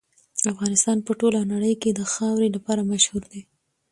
افغانستان په ټوله نړۍ کې د خاورې لپاره مشهور دی.